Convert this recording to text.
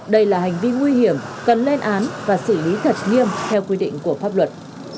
đây là hành vi nguy hiểm cần lên án và xử lý thật nghiêm theo quy định của pháp luật